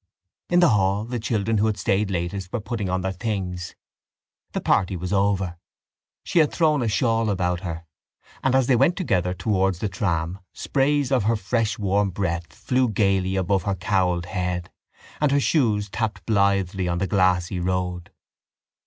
In the hall the children who had stayed latest were putting on their things: the party was over. She had thrown a shawl about her and, as they went together towards the tram, sprays of her fresh warm breath flew gaily above her cowled head and her shoes tapped blithely on the glassy road.